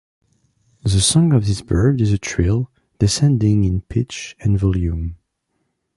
The song of this bird is a trill, descending in pitch and volume.